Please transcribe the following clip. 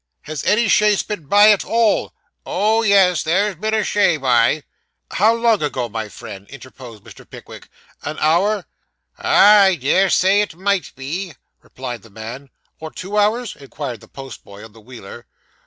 'Has any chaise been by at all?' 'Oh, yes, there's been a chay by.' 'How long ago, my friend,' interposed Mr. Pickwick; 'an hour?' 'Ah, I dare say it might be,' replied the man. 'Or two hours?' inquired the post boy on the wheeler.